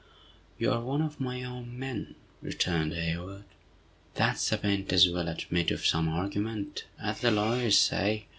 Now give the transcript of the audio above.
"You are one of my own men!" returned Hayward. "That's a p'int as will admit of some argument, as the lawyers say!